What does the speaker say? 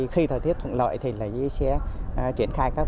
khi thời tiết thuận lợi thì sẽ triển khai các